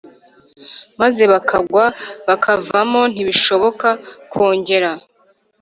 maze bakagwa bakavamo ntibishoboka kongera